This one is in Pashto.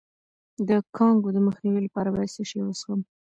د کانګو د مخنیوي لپاره باید څه شی وڅښم؟